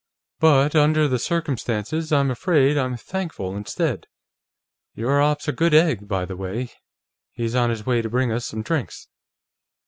"But under the circumstances, I'm afraid I'm thankful, instead. Your op's a good egg, by the way; he's on his way to bring us some drinks."